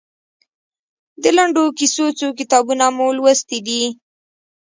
د لنډو کیسو څو کتابونه مو لوستي دي؟